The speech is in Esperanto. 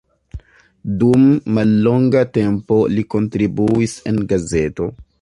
Dum mallonga tempo li kontribuis en gazeto.